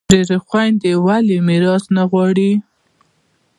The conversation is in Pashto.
ډیری خویندي ولي میراث نه غواړي؟